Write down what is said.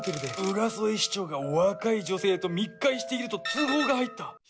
浦添市長が若い女性と密会していると通報が入った。